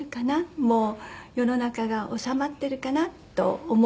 もう世の中が収まってるかなと思うんですけども。